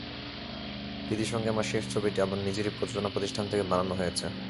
দিতির সঙ্গে আমার শেষ ছবিটি আমার নিজেরই প্রযোজনা প্রতিষ্ঠান থেকে বানানো হয়েছে।